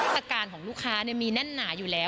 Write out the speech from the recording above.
อาการของลูกค้ามีแน่นหนาอยู่แล้ว